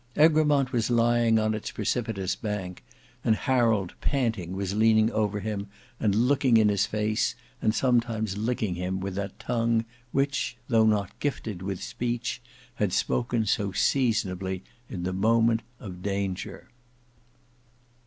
Egremont was lying on its precipitous bank; and Harold panting was leaning over him and looking in his face, and sometimes licking him with that tongue which, though not gifted with speech, had spoken so seasonably in the moment of danger.